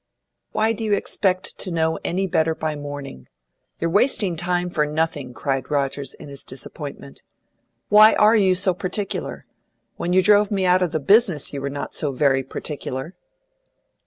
"Why do you expect to know any better by morning? You're wasting time for nothing!" cried Rogers, in his disappointment. "Why are you so particular? When you drove me out of the business you were not so very particular."